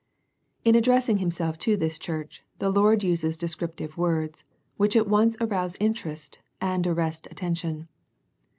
In addressing Himself to this church, the Lord uses descriptive words, which at once arouse interest, and arrest attention.